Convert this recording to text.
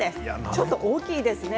ちょっと大きいですね。